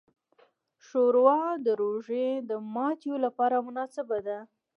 ښوروا د روژې د ماتیو لپاره مناسبه ده.